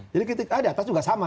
jadi ketika di atas juga sama